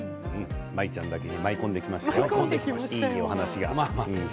舞ちゃんだけに舞い込んできましたね、いいお話が。